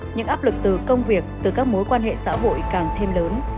những áp lực từ công việc từ các mối quan hệ xã hội càng thêm lớn